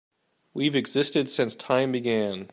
We've existed since time began.